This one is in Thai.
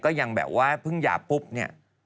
ยังแบบว่าเพิ่งหย่าปุ๊บเนี่ย